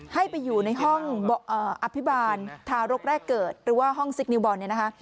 ให้ไปอยู่ในห้องอภิบาลทารกแรกเกิดหรือว่าห้องซิคนิวบอลเนี่ยนะคะ